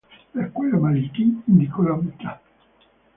La escuela Maliki indicó la mitad.